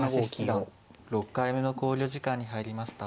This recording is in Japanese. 大橋七段６回目の考慮時間に入りました。